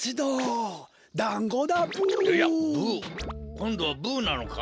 こんどはブなのか？